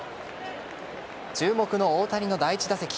注目の大谷の第１打席。